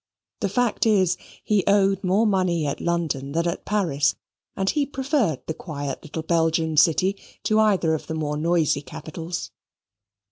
The fact is, he owed more money at London than at Paris; and he preferred the quiet little Belgian city to either of the more noisy capitals.